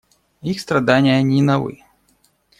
Их страдания не новы.